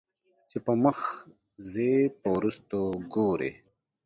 چې پۀ مخ ځې په وروستو ګورې